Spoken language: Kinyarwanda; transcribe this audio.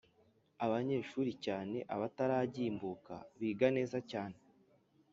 abanyeshuri cyane abataragimbuka biga neza cyane